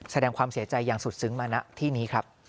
แสดงความเสียใจอย่างสุดซึ้งมาณที่นี้ครับ